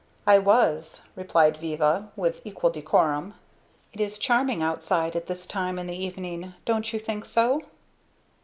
"I was," replied Viva, with equal decorum. "It is charming outside at this time in the evening don't you think so?"